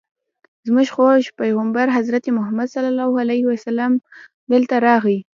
زموږ خوږ پیغمبر حضرت محمد صلی الله علیه وسلم دلته راغی.